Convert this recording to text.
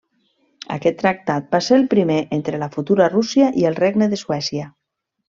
Aquest tractat va ser el primer entre la futura Rússia i el regne de Suècia.